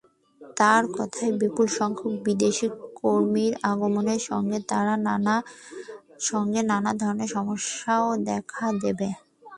তাঁর কথায়, বিপুলসংখ্যক বিদেশি কর্মীর আগমনের সঙ্গে নানা ধরনের সমস্যাও দেখা দেবে।